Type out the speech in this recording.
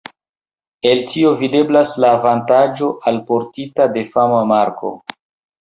El tio videblas la avantaĝo alportita de fama marko.